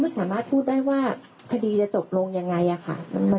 บ่ไม่สามารถพูดได้ว่าคดีจะจบลงอย่างไรอะค่ะ